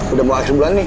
udah mau akhir bulan nih